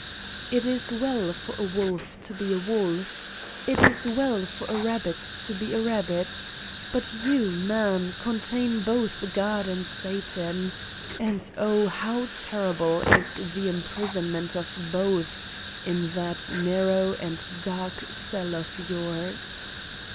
It is well for a wolf to be a wolf. It is well for a rabbit to be a rabbit. But you, man, contain both God and Satan and, oh, how terrible is the imprisonment of both in that nar row and dark cell of yours!